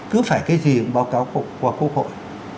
cứ phải cái gì báo cáo qua quốc hội